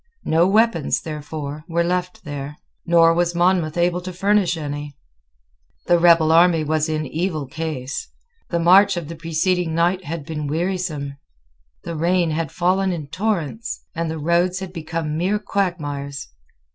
No weapons, therefore, were left there; nor was Monmouth able to furnish any. The rebel army was in evil case. The march of the preceding night had been wearisome. The rain had fallen in torrents; and the roads had become mere quagmires.